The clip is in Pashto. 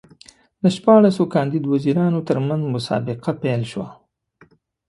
د شپاړسو کاندید وزیرانو ترمنځ مسابقه پیل شوه.